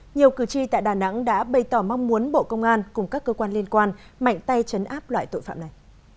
nhiều cử tri tại đà nẵng đã bày tỏ mong muốn bộ công an cùng các cơ quan liên quan mạnh tay chấn áp loại tội phạm này